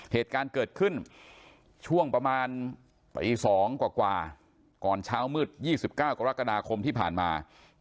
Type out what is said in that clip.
เหตุการณ์เกิดขึ้นช่วงประมาณประเยี่ยนสองกว่ากว่าก่อนเช้ามืดยี่สิบเก้ากรกฎาคมที่ผ่านมา